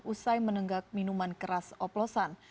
usai menenggak minuman keras oplosan